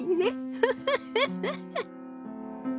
フフフフ。